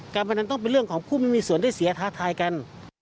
พนันต้องเป็นเรื่องของผู้ไม่มีส่วนได้เสียท้าทายกัน